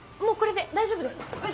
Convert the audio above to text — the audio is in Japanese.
もうこれで大丈夫です。